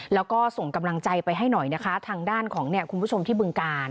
แล้วก็ส่งกำลังใจไปให้หน่อยนะคะทางด้านของเนี่ยคุณผู้ชมที่บึงกาล